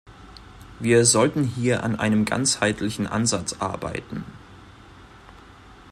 Wir sollten hier an einem ganzheitlichen Ansatz arbeiten.